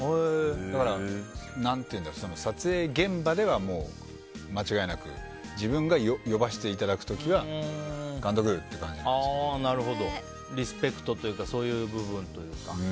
だから、撮影現場では間違いなく自分が呼ばせていただく時はリスペクトというかそういう部分というか。